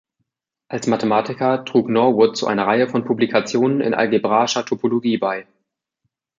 Als Mathematiker trug Norwood zu einer Reihe von Publikationen in algebraischer Topologie bei.